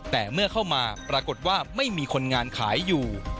แต่เมื่อเข้ามาปรากฏว่าไม่มีคนงานขายอยู่